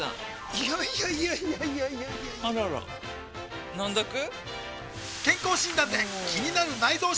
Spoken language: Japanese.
いやいやいやいやあらら飲んどく？